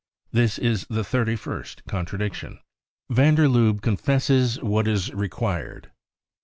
This is the thirty first contradiction. Van der Lubbe Confesses what is Required.